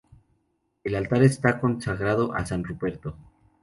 El altar está consagrado a San Ruperto.